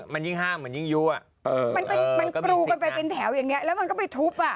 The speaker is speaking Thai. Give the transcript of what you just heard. กลูกันไปเป็นแถวอย่างนี้แล้วมันก็ไปทุบ